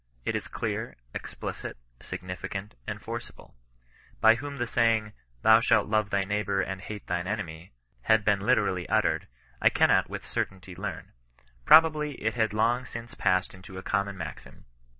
It is clear, explicit, significant, and forcible. By whom the saying, " thou shalt love thy neighbour and hate thine enemy," had been literally uttered, I cannot with certainty learn. Probably it had long since passed into a conmion maxim.